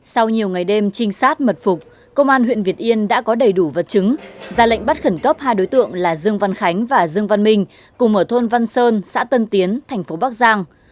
sau nhiều ngày đêm trinh sát mật phục công an huyện việt yên đã có đầy đủ vật chứng ra lệnh bắt khẩn cấp hai đối tượng là dương văn khánh và dương văn minh cùng ở thôn văn sơn xã tân tiến thành phố bắc giang